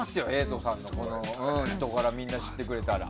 瑛人さんの人柄をみんな知ってくれたら。